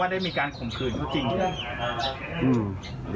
ว่าได้มีการข่มขื่นคุณยูนยันเลย